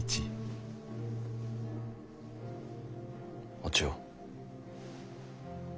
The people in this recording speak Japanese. お千代。